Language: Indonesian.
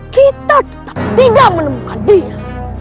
kita tetap tidak menemukan dia